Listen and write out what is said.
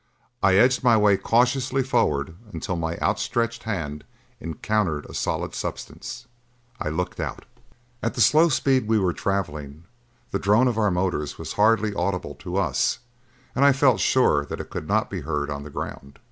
I edged my way cautiously forward until my outstretched hand encountered a solid substance. I looked out. At the slow speed we were traveling the drone of our motors was hardly audible to us, and I felt sure that it could not be heard on the ground.